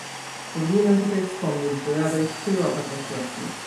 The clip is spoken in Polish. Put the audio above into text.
Powinienem tutaj wspomnieć, że Rada już przyjęła pewne środki